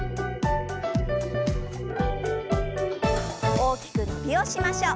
大きく伸びをしましょう。